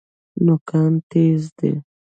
نوکان تیز دي.